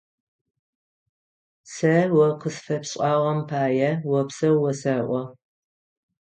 Сэ о къысфэпшӏагъэм пае опсэу осэӏо.